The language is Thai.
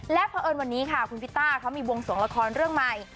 และเพราะเอิญวันนี้ค่ะมีบวงสวงละครเรื่องใหม่